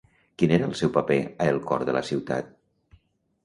Quin era el seu paper a “El cor de la ciutat”?